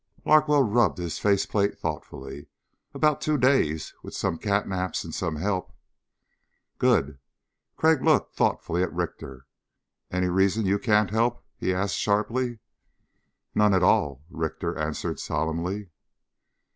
Larkwell rubbed his faceplate thoughtfully. "About two days, with some catnaps and some help." "Good." Crag looked thoughtfully at Richter. "Any reason you can't help?" he asked sharply. "None at all," Richter answered solemnly.